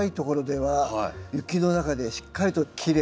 はい。